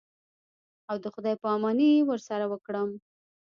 او د خداى پاماني ورسره وکړم.